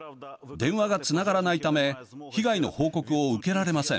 電話がつながらないため被害の報告を受けられません。